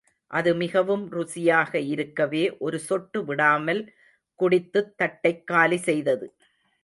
அது மிகவும் ருசியாக இருக்கவே ஒரு சொட்டு விடாமல் குடித்துத் தட்டைக் காலி செய்தது.